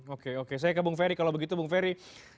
oke oke saya ke bung ferry kalau begitu bung ferry